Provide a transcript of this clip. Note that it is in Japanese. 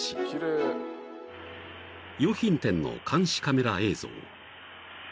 ［洋品店の監視カメラ映像］